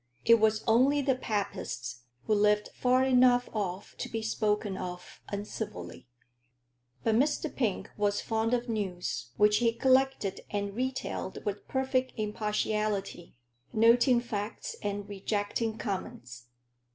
It was only the "Papists" who lived far enough off to be spoken of uncivilly. But Mr. Pink was fond of news, which he collected and retailed with perfect impartiality, noting facts and rejecting comments.